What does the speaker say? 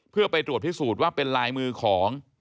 เพื่อไปตรวจพิสูจน์ว่าเป็นลายมือของ